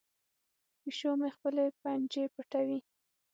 پیشو مې خپلې پنجې پټوي.